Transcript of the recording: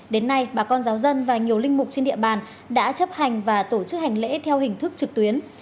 đến nay bà con giáo dân và nhiều linh mục trên địa bàn đã chấp hành và tổ chức hành lễ theo hình thức trực tuyến